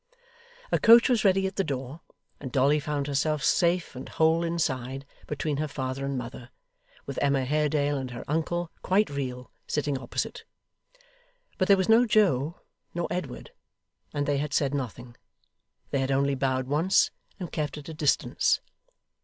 A coach was ready at the door, and Dolly found herself safe and whole inside, between her father and mother, with Emma Haredale and her uncle, quite real, sitting opposite. But there was no Joe, no Edward; and they had said nothing. They had only bowed once, and kept at a distance.